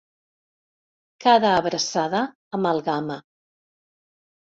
Cada abraçada, amalgama.